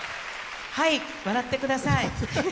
はい、笑ってください。